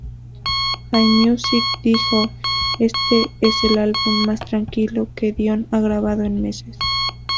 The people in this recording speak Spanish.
Allmusic dijo: "Este es el álbum más tranquilo que Dion ha grabado en meses.